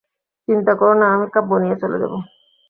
চিন্তা করো না, আমি ক্যাব নিয়ে চলে যাব।